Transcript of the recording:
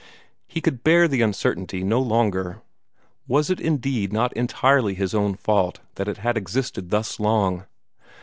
He could bear the uncertainty no longer. Was it indeed not entirely his own fault that it had existed thus long?